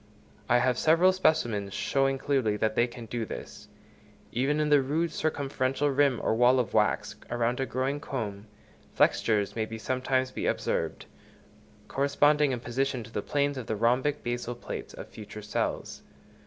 I have several specimens showing clearly that they can do this. Even in the rude circumferential rim or wall of wax round a growing comb, flexures may sometimes be observed, corresponding in position to the planes of the rhombic basal plates of future cells.